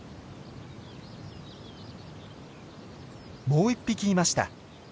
もう１匹いました。